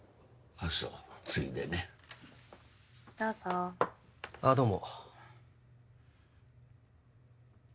あっどうも。